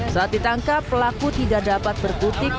saat ditangkap pelaku tidak dapat berkutik